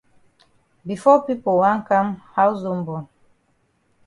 Before pipo wan kam haus don bon.